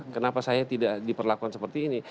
kenapa saya tidak diperlakukan seperti ini